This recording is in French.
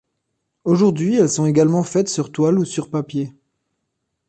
Aujourd'hui, elles sont également faites sur toile ou sur papier.